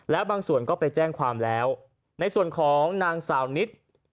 แล้วบางส่วนก็ไปแจ้งความแล้วในส่วนของนางสาวนิด